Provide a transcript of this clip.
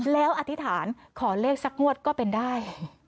แล้วอธิษฐานขอเลขสักงวดก็เป็นได้